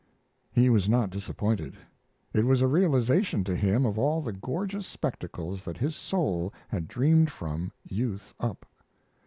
He was not disappointed; it was a realization to him of all the gorgeous spectacles that his soul had dreamed from youth up.